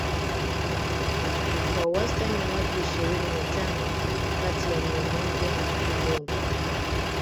Kwa wastani watu ishirini na tano kati ya mia moja walioambukizwa